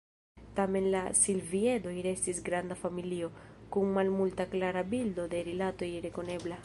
Tamen la silviedoj restis granda familio, kun malmulta klara bildo de rilatoj rekonebla.